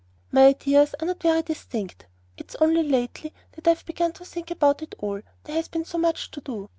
"My ideas are not very distinct. It's only lately that I have begun to think about it at all, there has been so much to do.